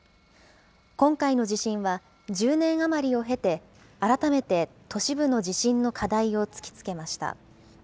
今回の地震は１０年余りを経て、改めて都市部の地震の課題を突きつけました。